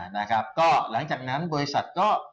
นะครับก็หลังจากนั้นบริษัทก็